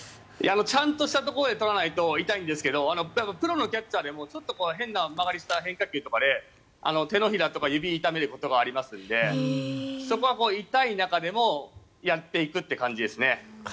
ちゃんとしたところでとらないと痛いんですけどプロのキャッチャーでもちょっと変な曲がりをした変化球とかで手のひらとか指を痛めることがありますのでそこは痛い中でもやっていくという感じですね。